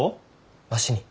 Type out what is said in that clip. わしに？